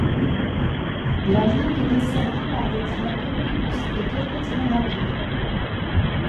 La ligne est desservie par des trains omnibus et quelques trains rapides.